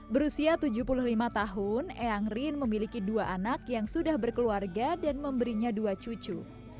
berusia tujuh puluh lima tahun eyang rin memiliki dua anak yang sudah berkeluarga dan memberinya dua cucu